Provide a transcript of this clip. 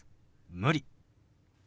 「無理」。